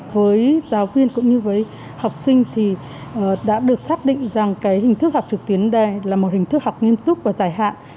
với giáo viên cũng như với học sinh thì đã được xác định rằng hình thức học trực tuyến đây là một hình thức học nghiêm túc và dài hạn